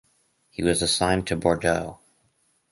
He was assigned to Bordeaux.